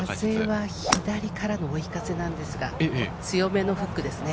風は左からの追い風なんですが、強めのフックですね。